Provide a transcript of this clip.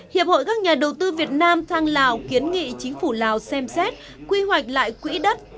hiệp hội các nhà đầu tư việt nam sang lào kiến nghị chính phủ lào xem xét quy hoạch lại quỹ đất